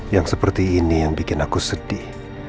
yang seperti ini yang bikin aku sedih